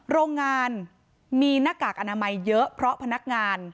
โรงงานมีหน้ากากอนามัยเยอะเพราะพนักงาน